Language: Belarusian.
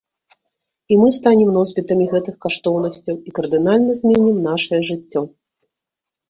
І мы станем носьбітамі гэтых каштоўнасцяў і кардынальна зменім нашае жыццё.